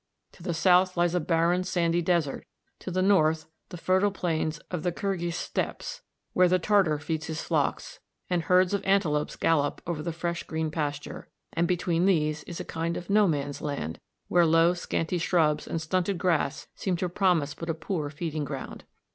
To the south lies a barren sandy desert, to the north the fertile plains of the Kirghiz steppes, where the Tartar feeds his flocks, and herds of antelopes gallop over the fresh green pasture; and between these is a kind of no man's land, where low scanty shrubs and stunted grass seemed to promise but a poor feeding ground.